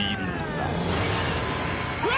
うわ！